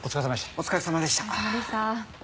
お疲れさまでした。